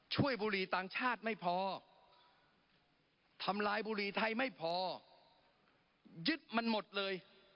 บุหรี่ต่างชาติไม่พอทำลายบุหรี่ไทยไม่พอยึดมันหมดเลย